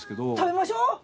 食べましょう！